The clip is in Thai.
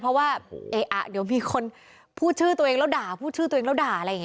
เพราะว่าเดี๋ยวมีคนพูดชื่อตัวเองแล้วด่าพูดชื่อตัวเองแล้วด่า